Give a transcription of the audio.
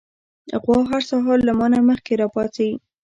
غوا هر سهار له ما نه مخکې راپاڅي.